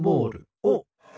おっ。